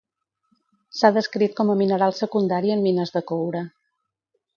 S'ha descrit com a mineral secundari en mines de coure.